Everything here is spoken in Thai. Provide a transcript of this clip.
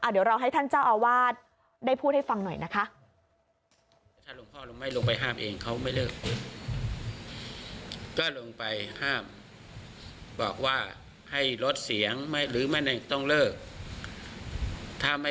เดี๋ยวเราให้ท่านเจ้าอาวาสได้พูดให้ฟังหน่อยนะคะ